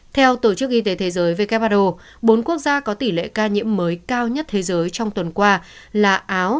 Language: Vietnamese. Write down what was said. theo tổ chức y tế thế giới who bốn quốc gia có tỷ lệ ca nhiễm mới cao nhất thế giới trong tuần qua là áo